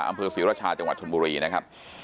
อำเภอศรีราชาจังหวัดชนบุรีนะครับ